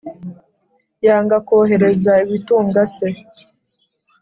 yanga kohereza ibitunga se.